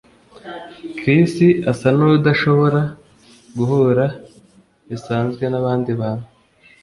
Chris asa nkudashobora guhura bisanzwe nabandi bantu